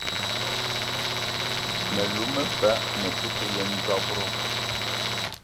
Me lou me ba me te ke yen dob-ro